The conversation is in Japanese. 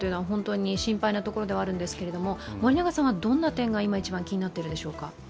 本当に心配なところではあるんですけれども森永さんはどんな点が今、一番気になってるでしょうか。